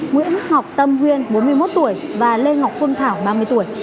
nguyễn ngọc tâm huyên bốn mươi một tuổi và lê ngọc phương thảo ba mươi tuổi